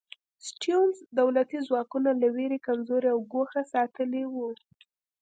سټیونز دولتي ځواکونه له وېرې کمزوري او ګوښه ساتلي وو.